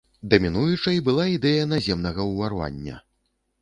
Дамінуючай была ідэя наземнага ўварвання.